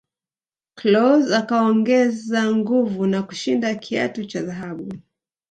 klose akaongeza nguvu na kushinda kiatu cha dhahabu